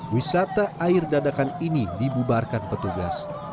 wisata air dadakan ini dibubarkan petugas